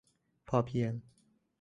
'พอเพียง'